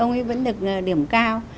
ông ấy vẫn được điểm cao